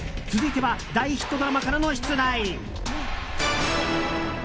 続いては大ヒットドラマからの出題。